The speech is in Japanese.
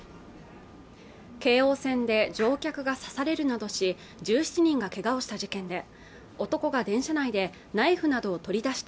京王線で乗客が刺されるなどし１７人がけがをした事件で男が電車内でナイフなどを取り出した